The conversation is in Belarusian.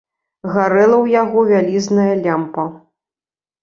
Гарэла ў яго вялізная лямпа.